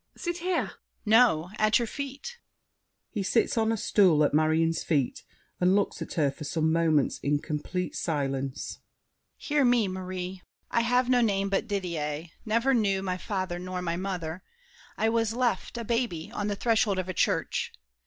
Sit here! DIDIER. No! at your feet. [He sits on a stool at Marion's feet and looks at her for some moments in complete silence. Hear me, Marie! I have no name but Didier—never knew My father nor my mother. I was left, A baby, on the threshold of a church.